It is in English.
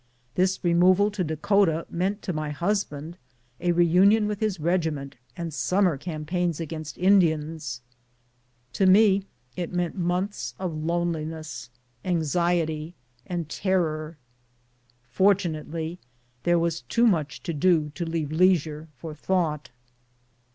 This removal to Dakota meant to my hus band a reunion with his regiment and summer cam paigns against Indians ; to me it meant months of lone liness, anxiety, and terror. Fortunately there was too much to do to leave leisure for thought.